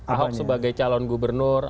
ahok sebagai calon gubernur